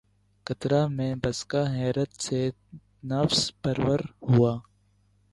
قطرہٴ مے بسکہ حیرت سے نفس پرور ہوا